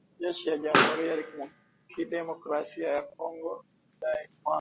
Jeshi la jamhuri ya kidemokrasia ya Kongo limedai kwamba